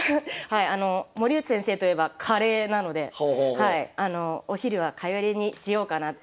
はいあの森内先生といえばカレーなので「お昼はカレーにしようかな」。